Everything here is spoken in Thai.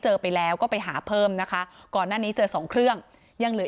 ไปแล้วก็ไปหาเพิ่มนะคะก่อนหน้านี้เจอสองเครื่องยังเหลือ